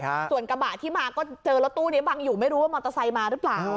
ส่วนกระบะที่มาก็เจอรถตู้นี้บังอยู่ไม่รู้ว่ามอเตอร์ไซค์มาหรือเปล่า